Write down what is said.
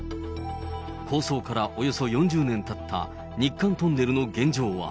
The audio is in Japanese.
構想からおよそ４０年たった日韓トンネルの現状は。